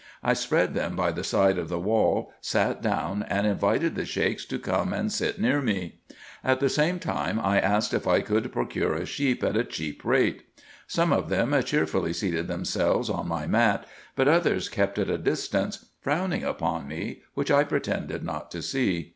I spread them by the side of a wall, sat down, and invited the Sheiks to come and sit near me ; at the same time, I asked if I could procure a sheep at a cheap rate. Some of them cheerfully seated themselves on my mat, but others kept at a distance, frowning upon me, which I pretended not to see.